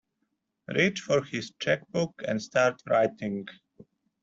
Reach for his cheque-book and start writing.